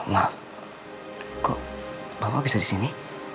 maaf kok bapak bisa disini